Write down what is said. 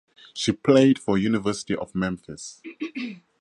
She played for University of Memphis.